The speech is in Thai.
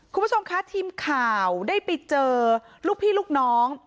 คุณผู้ชมคะทีมข่าวได้ไปเจอลูกพี่ลูกน้อง